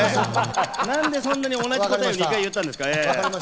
なんでそんなに同じ答えを２回言ったんですか？